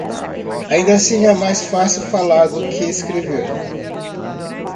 ainda assim é mais fácil falar, do que escrever.